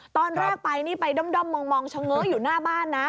ตอนแรกไปไปด้อมมองชะเงาะอยู่หน้าบ้านนะ